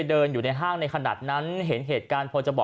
ตอนนี้ยังไม่ได้นะครับ